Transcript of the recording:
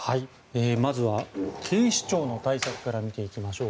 まずは警視庁の対策から見ていきましょう。